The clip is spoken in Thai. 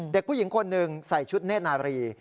เด็กผู้หญิงคนหนึ่งใส่ชุดเนธนาบรี